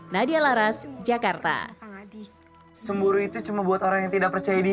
nadia laras jakarta